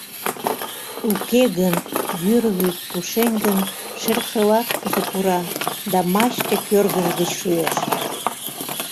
Уке гын, йӱр вӱд пушеҥгын шелшылашкыже пура, да мачте кӧргыж гыч шӱеш.